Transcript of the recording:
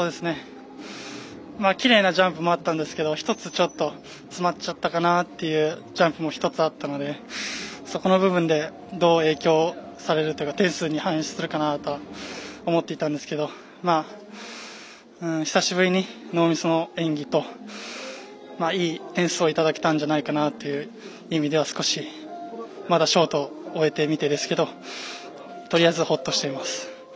きれいなジャンプもあったんですけど１つ、ちょっと詰まっちゃったかなっていうジャンプも１つあったのでそこの部分でどう影響されるというか点数に反映するかなと思っていたんですけど久しぶりに、ノーミスの演技といい点数をいただけたんじゃないかなという意味では少し、まだショート終えてみてですけどとりあえず、ほっとしています。